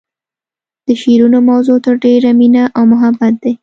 د شعرونو موضوع تر ډیره مینه او محبت دی